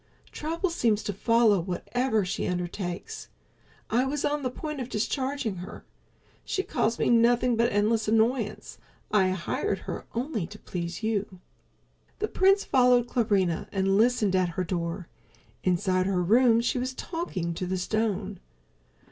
Trouble seems to follow whatever she undertakes. I was on the point of discharging her. She's caused me nothing but endless annoyance. I hired her only to please you." The prince followed Clarinha and listened at her door. Inside her room she was talking to the stone.